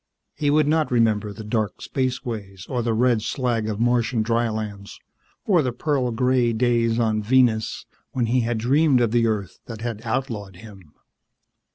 He would not remember the dark spaceways or the red slag of Martian drylands or the pearl gray days on Venus when he had dreamed of the Earth that had outlawed him.